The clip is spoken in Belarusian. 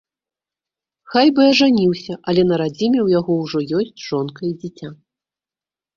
Хай бы і ажаніўся, але на радзіме ў яго ўжо ёсць жонка і дзіця.